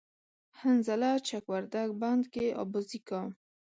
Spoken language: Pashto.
حنظله چک وردگ بند کی آبازی کا